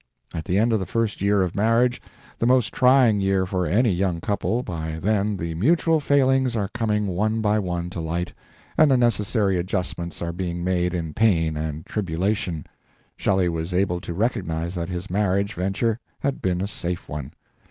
At the end of the first year of marriage the most trying year for any young couple, for then the mutual failings are coming one by one to light, and the necessary adjustments are being made in pain and tribulation Shelley was able to recognize that his marriage venture had been a safe one.